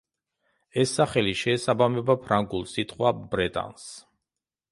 ეს სახელი შეესაბამება ფრანგულ სიტყვა „ბრეტანს“.